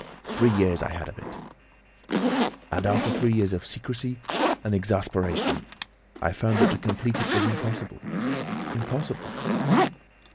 Three years I had of it— "And after three years of secrecy and exasperation, I found that to complete it was impossible—impossible."